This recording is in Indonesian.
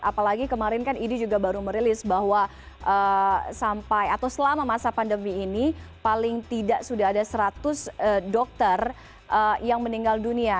apalagi kemarin kan idi juga baru merilis bahwa sampai atau selama masa pandemi ini paling tidak sudah ada seratus dokter yang meninggal dunia